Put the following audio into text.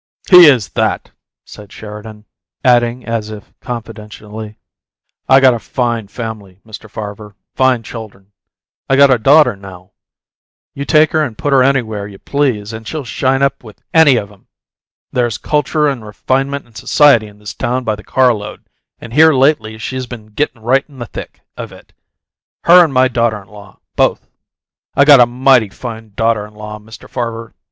"He is that!" said Sheridan, adding, as if confidentially: "I got a fine family, Mr. Farver fine chuldern. I got a daughter now; you take her and put her anywhere you please, and she'll shine up with ANY of 'em. There's culture and refinement and society in this town by the car load, and here lately she's been gettin' right in the thick of it her and my daughter in law, both. I got a mighty fine daughter in law, Mr. Farver.